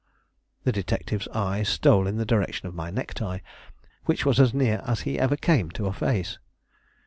The detective's eye stole in the direction of my necktie, which was as near as he ever came to a face.